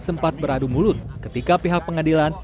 sempat beradu mulut ketika pihak pengadilan